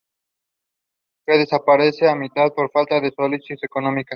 Que desaparece a mitad por falta de solidez económica.